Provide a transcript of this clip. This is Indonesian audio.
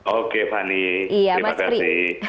oke fani terima kasih